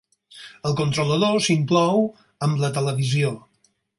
El controlador s'inclou amb la televisió.